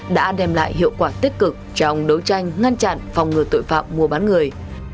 đã đem lại hiệu quả tích cực trong đấu tranh ngăn chặn phòng ngừa tội phạm mua bán người